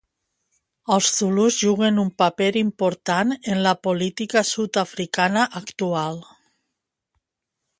Els zulus juguen un paper important en la política sud-africana actual.